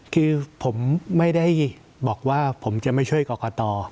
คือผมไม่ได้บอกว่าผมจะไม่ช่วยกรกต